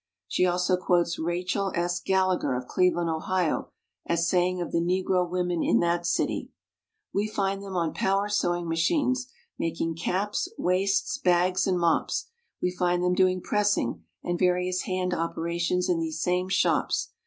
She also quotes Rachel S. Gallagher, of Cleveland, Ohio, as saying of the Negro women in that city: "We find them on power sewing machines, making caps, waists, bags, and mops; we find them doing pressing and various hand operations in these same shops.